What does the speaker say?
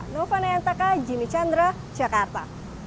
nova nayantaka jimmy chandra jakarta